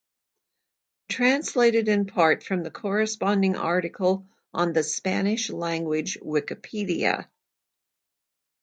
Translated, in part, from the corresponding article on the Spanish-language Wikipedia.